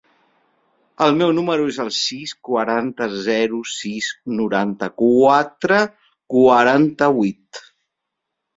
El meu número es el sis, quaranta, zero, sis, noranta-quatre, quaranta-vuit.